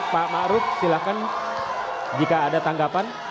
pak ma'ruf silahkan jika ada tanggapan